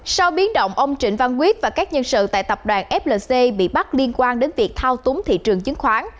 sau biến động ông trịnh văn quyết và các nhân sự tại tập đoàn flc bị bắt liên quan đến việc thao túng thị trường chứng khoán